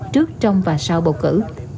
trước trong và sau bầu cử